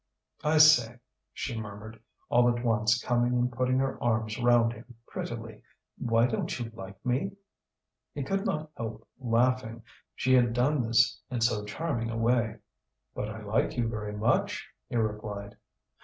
"I say," she murmured, all at once coming and putting her arms round him prettily, "why don't you like me?" He could not help laughing, she had done this in so charming a way. "But I like you very much," he replied.